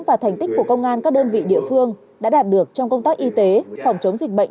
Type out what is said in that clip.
và thành tích của công an các đơn vị địa phương đã đạt được trong công tác y tế phòng chống dịch bệnh